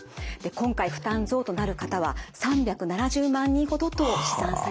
今回負担増となる方は３７０万人ほどと試算されています。